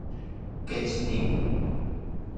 ¿Kech nin?